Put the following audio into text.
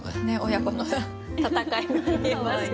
親子の戦いが見えますが。